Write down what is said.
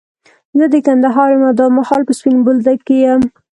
زه د کندهار يم، او دا مهال په سپين بولدک کي يم.